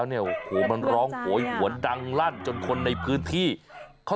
ถอยมาทำไมอีกอ่ะ